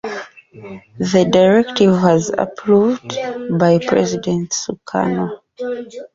This directive was approved by President Sukarno.